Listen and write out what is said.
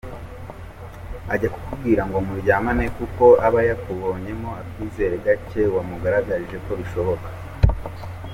Ajya kukubwira ngo muryamane kuko aba yakubonyemo akizere gake wamugaragarije ko bishoboka.